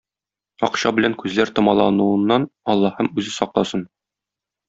Акча белән күзләр томалануыннан Аллаһым үзе сакласын.